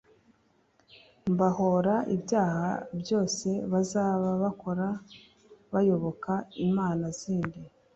mbahora ibyaha byose bazaba bakora bayoboka imana zindi.